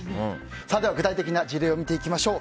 具体的な事例を見ていきましょう。